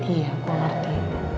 iya gue ngerti